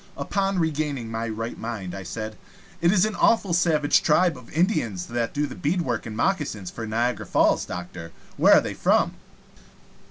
Upon regaining my right mind, I said: "It is an awful savage tribe of Indians that do the beadwork and moccasins for Niagara Falls, doctor. Where are they from?"